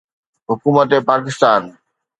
حڪومت پاڪستان